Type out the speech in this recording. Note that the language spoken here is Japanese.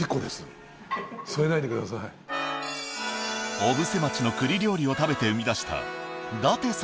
小布施町の栗料理を食べて生み出した舘様